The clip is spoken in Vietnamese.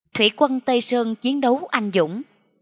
thủy quân tây sơn chiến đấu anh dũng